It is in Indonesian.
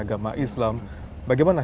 agama islam bagaimana